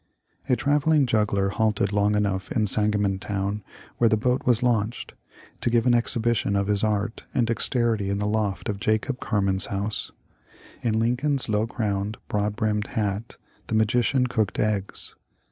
A travelling juggler halted long enough in San gamontown, where the boat was launched, to give an exhibition of his art and dexterity in the loft of Jacob Carman's house. In Lincoln's low crowned, broad brimmed hat the magician cooked eggs.